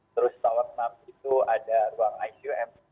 terus tower enam itu ada ruang icum